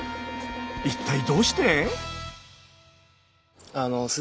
一体どうして？